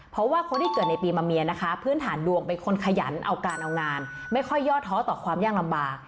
เพราะว่าคนที่เกิดในปีมะเมียนะคะพื้นฐานดวงเป็นคนขยันเอาการเอางานไม่ค่อยย่อท้อต่อความยากลำบาก